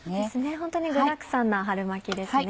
ホントに具だくさんな春巻きですね。